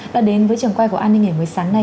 đã đến với trường quay của an ninh nghềm sáng nay